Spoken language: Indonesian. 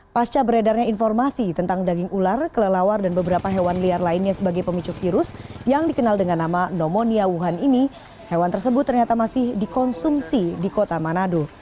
pasca beredarnya informasi tentang daging ular kelelawar dan beberapa hewan liar lainnya sebagai pemicu virus yang dikenal dengan nama pneumonia wuhan ini hewan tersebut ternyata masih dikonsumsi di kota manado